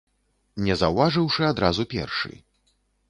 Не заўважыўшы адразу першы.